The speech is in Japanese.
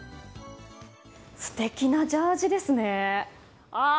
素敵なジャージーですね！